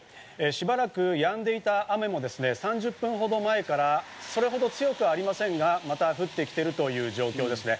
しばらくやんでいた雨もですね、３０分ほど前から、それほど強くありませんが、また降ってきている状況ですね。